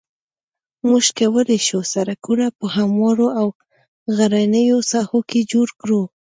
موږ کولای شو سرکونه په هموارو او غرنیو ساحو کې جوړ کړو